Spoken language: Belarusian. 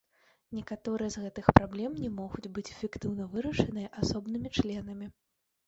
Некаторыя з гэтых праблем не могуць быць эфектыўна вырашаныя асобнымі членамі.